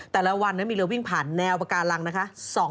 แต่ละวันนั้นมีเรือวิ่งผ่านแนวปากาลังนะคะ